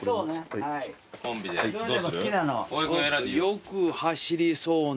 よく走りそうな。